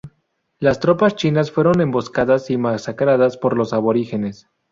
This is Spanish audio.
Las tropas chinas fueron emboscadas y masacradas por los aborígenes.